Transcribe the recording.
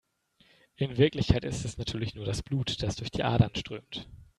In Wirklichkeit ist es natürlich nur das Blut, das durch die Adern strömt.